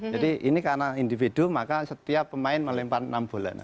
jadi ini karena individu maka setiap pemain melempar enam bola